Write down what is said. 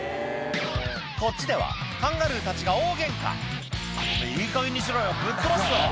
こっちではカンガルーたちが大ゲンカ「おめぇいいかげんにしろよぶっ飛ばすぞ！」